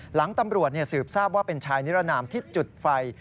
หลังตำรวจสืบทราบว่าเป็นชายนิรนามที่จุดไฟ